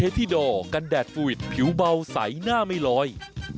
เคทีดอร์กันแดดฟรุิตผิวเบาใสหน้าไม่ร้อย